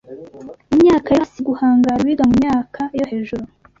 mu myaka yo hasi guhangara uwiga mu myaka yo hejuru